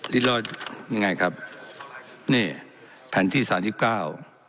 ริราชยังไงครับนี่แผ่นที่สามยุคเก้า